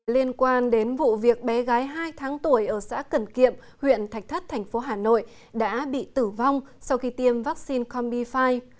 liên quan đến vụ việc bé gái hai tháng tuổi ở xã cần kiệm huyện thạch thất thành phố hà nội đã bị tử vong sau khi tiêm vaccine combi fi